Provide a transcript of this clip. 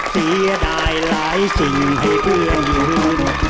เสียดายหลายสิ่งให้เพื่อนยืน